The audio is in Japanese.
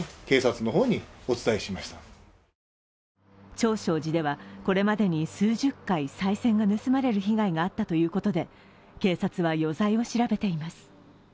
長照寺では、これまでに数十回、さい銭が盗まれる被害があったということで、警察は余罪を調べています。